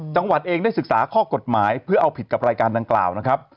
จังหวัดเองได้ศึกษาข้อกฎหมายเพื่อเอาผิดกับรายการดังกล่าวนะครับ